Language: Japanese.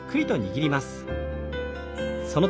はい。